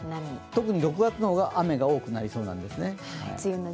特に６月は雨が多くなりそうなんですね。